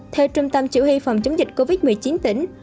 theo trung tâm chủ hy phòng chống dịch covid một mươi chín tỉnh